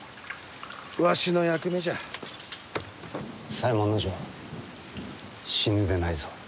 左衛門尉死ぬでないぞ。